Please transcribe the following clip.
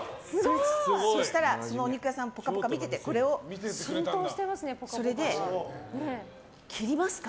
そしたらそのお肉屋さん「ぽかぽか」見てて切りますか？